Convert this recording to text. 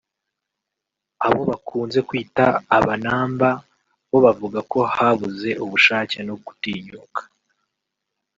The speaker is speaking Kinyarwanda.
abo bakunze kwita “Abanamba” bo bavuga ko habuze ubushake no gutinyuka